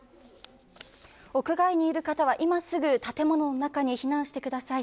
屋外にいる方は、今すぐ建物の中に避難してください。